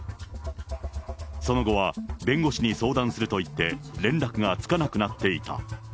その後は弁護士に相談すると言って、連絡がつかなくなっていた。